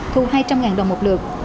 thu hai trăm linh đồng một lượt